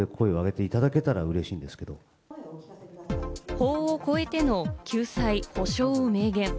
法を超えての救済・補償を明言。